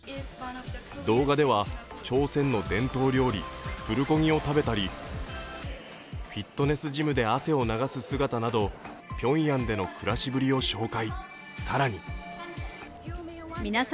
動画では朝鮮の伝統料理、プルコギを食べたり、フィットネスジムで汗を流す姿など、ピョンヤンでの暮らしぶりを紹介。